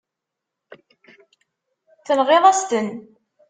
Tenɣiḍ-as-ten.